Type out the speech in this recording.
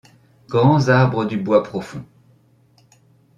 Grands arbres du bois profond